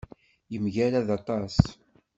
Yemgarad aṭas.